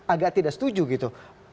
agak tidak setuju gitu